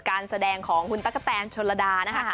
การแสดงของคุณตั๊กกะแตนชนระดานะคะ